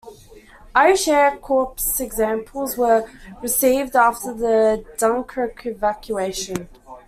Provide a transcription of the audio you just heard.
Irish Air Corps examples were received after the Dunkirk Evacuation.